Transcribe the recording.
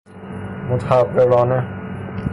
متهورانه